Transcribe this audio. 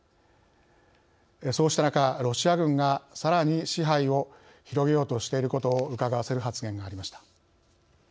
そうした中ロシア軍がさらに支配を広げようとしていることをうかがわせる発言がありました。